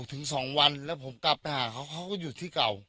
ถึงสองวันแล้วผมกลับไปหาเขาเขาก็อยู่ที่เก่า